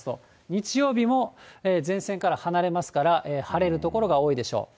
日曜日も前線から離れますから、晴れる所が多いでしょう。